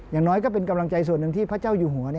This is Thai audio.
อย่างน้อยก็เป็นกำลังใจส่วนหนึ่งที่พระเจ้าอยู่หัว